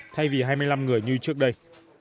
thay vì hai mươi năm người như trước đây